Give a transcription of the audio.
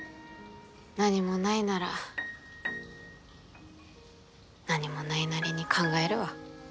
何もないなら何もないなりに考えるわ。